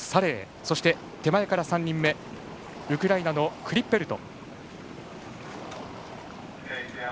そして、手前から３人目ウクライナのクリッペルト。